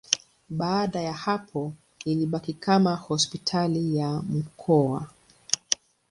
Baada ya hapo ilibaki kama hospitali ya mkoa.